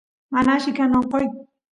mana alli kan onqoy